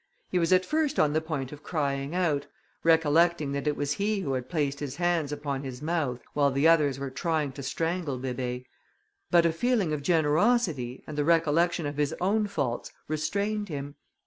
He was at first on the point of crying out, recollecting that it was he who had placed his hands upon his mouth, while the others were trying to strangle Bébé; but a feeling of generosity, and the recollection of his own faults, restrained him.